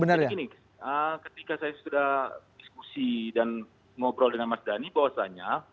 gini ketika saya sudah diskusi dan ngobrol dengan mas dhani bahwasannya